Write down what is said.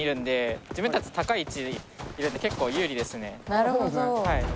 なるほど。